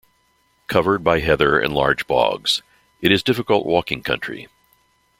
Covered by heather and large bogs, it is difficult walking country.